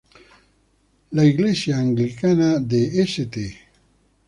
La Iglesia Anglicana de St.